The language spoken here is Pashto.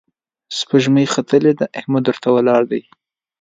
سپوږمۍ ختلې ده، احمد ورته ولياړ دی